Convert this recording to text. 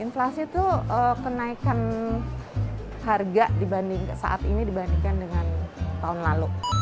inflasi itu kenaikan harga dibanding saat ini dibandingkan dengan tahun lalu